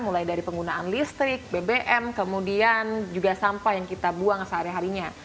mulai dari penggunaan listrik bbm kemudian juga sampah yang kita buang sehari harinya